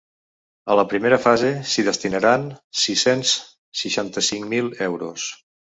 A la primera fase s’hi destinaran sis-cents seixanta-cinc mil euros.